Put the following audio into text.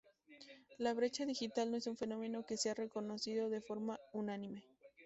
La brecha digital no es un fenómeno que sea reconocido de forma unánime.